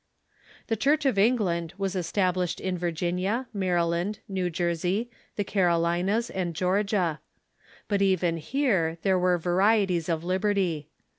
The Church of England was established in Virginia, Maryland, New Jersey, the Carolinas, and Georgia. But even here there were varieties of liberty.